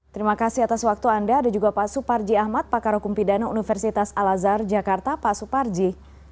terima kasih atas waktu anda ada juga pak suparji ahmad pakar hukum pidana universitas al azhar jakarta pak suparji